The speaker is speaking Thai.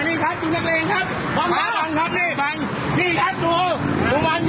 เหลือบมากเหมือนจะเป็นออกแท็กซี่กันนะคะครับ